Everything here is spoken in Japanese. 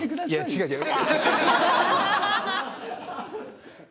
違う違う！